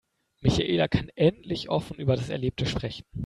Michaela kann endlich offen über das Erlebte sprechen.